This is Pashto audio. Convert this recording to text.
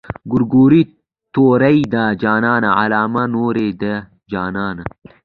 ګورګورې تورې دي جانانه علامې نورې دي جانانه.